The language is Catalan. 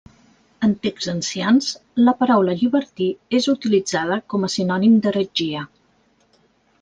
En texts ancians, la paraula llibertí és utilitzada com a sinònim d'heretgia.